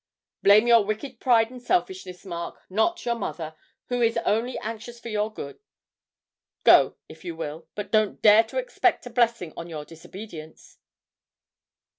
'Blame your wicked pride and selfishness, Mark, not your mother, who is only anxious for your good. Go, if you will, but don't dare to expect a blessing on your disobedience.'